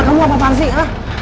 kamu apa apa sih